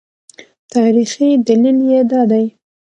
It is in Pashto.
تاریخي دلیل یې دا دی.